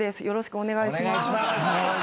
よろしくお願いします。